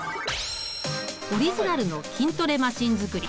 オリジナルの筋トレマシン作り。